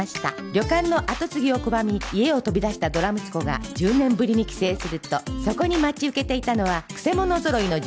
旅館の跡継ぎを拒み家を飛び出したドラ息子が１０年ぶりに帰省するとそこに待ち受けていたのはくせ者ぞろいの従業員たち